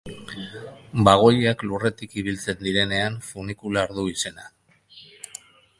Bagoiak lurretik ibiltzen direnean funikular du izena.